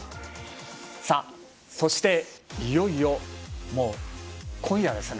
そしていよいよ今夜ですね。